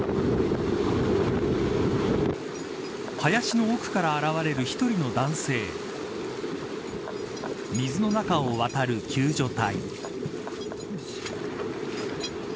林の奥から現れる１人の男性水の中を渡る救助隊。